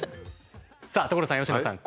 さあ所さん佳乃さん。